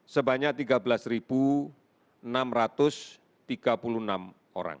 sebanyak tiga belas enam ratus tiga puluh enam orang